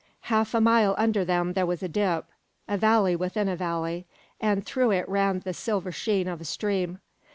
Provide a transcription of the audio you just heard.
Half a mile under them there was a dip a valley within a valley and through it ran the silver sheen of a stream.